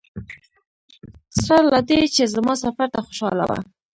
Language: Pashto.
سره له دې چې زما سفر ته خوشاله وه.